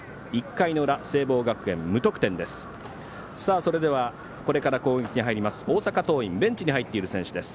１回の裏、聖望学園無得点です。